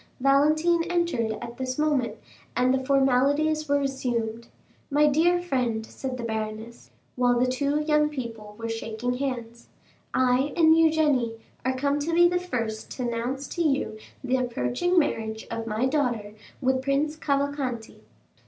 Valentine entered at this moment, and the formalities were resumed. "My dear friend," said the baroness, while the two young people were shaking hands, "I and Eugénie are come to be the first to announce to you the approaching marriage of my daughter with Prince Cavalcanti."